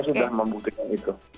saya sudah membuktikan itu